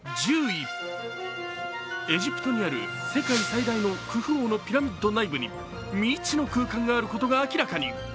エジプトにあるクフ王のピラミッド内部に未知の空間があることが明らかに。